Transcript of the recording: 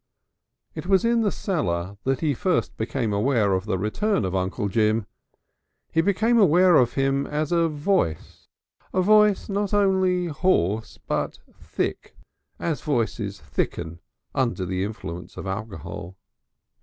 It was in the cellar that he first became aware of the return of Uncle Jim. He became aware of him as a voice, a voice not only hoarse, but thick, as voices thicken under the influence of alcohol.